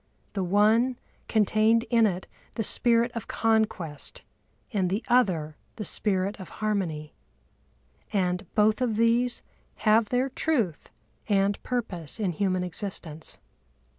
The one contained in it the spirit of conquest and the other the spirit of harmony. And both of these have their truth and purpose in human existence.